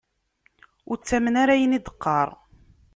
Ur ttamen ara ayen i d-teqqar.